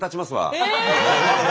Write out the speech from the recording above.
え！